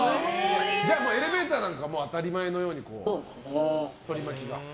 じゃあエレベーターなんか当たり前のように取り巻きが。